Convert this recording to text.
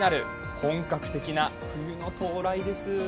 本格的な冬の到来です。